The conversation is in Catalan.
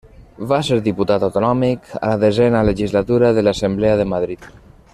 Va ser diputat autonòmic a la desena legislatura de l'Assemblea de Madrid.